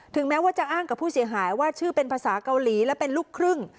แม้ว่าจะอ้างกับผู้เสียหายว่าชื่อเป็นภาษาเกาหลีและเป็นลูกครึ่ง